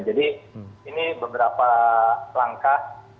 jadi ini beberapa langkah